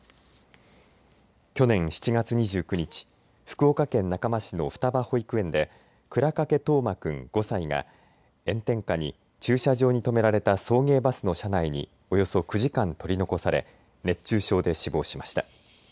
去年７月２９日、福岡県中間市の双葉保育園で庫倉掛冬生君５歳が炎天下に駐車場に止められた送迎バスの車内におよそ９時間、取り残され熱中症で死亡しました。